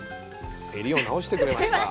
襟を直してくれました。